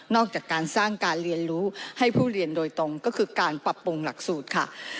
จากการสร้างการเรียนรู้ให้ผู้เรียนโดยตรงก็คือการปรับปรุงหลักสูตรค่ะ